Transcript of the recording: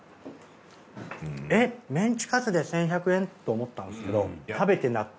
えっメンチカツで１，２００円と思ったんですけど食べて納得。